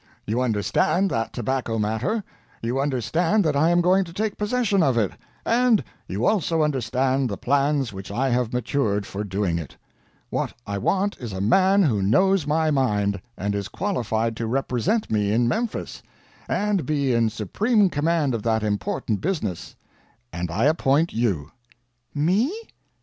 You understand that tobacco matter; you understand that I am going to take possession of it, and you also understand the plans which I have matured for doing it. What I want is a man who knows my mind, and is qualified to represent me in Memphis, and be in supreme command of that important business and I appoint you." "Me!"